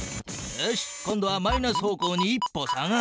よし今度はマイナス方向に１歩下がる。